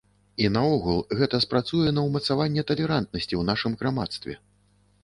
І наогул гэта спрацуе на ўмацаванне талерантнасці ў нашым грамадстве.